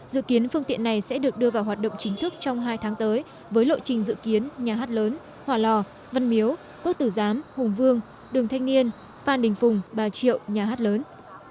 dự kiến phương tiện này sẽ được đưa vào hoạt động chính thức trong hai tháng tới với lộ trình dự kiến nhà hát lớn hòa lò văn miếu quốc tử giám hùng vương đường thanh niên phan đình phùng bà triệu nhà hát lớn